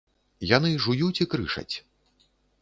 Яны жуюць і крышаць.